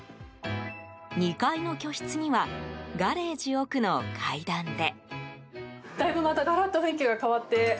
２階の居室にはガレージ奥の階段で。